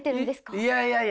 いやいやいや。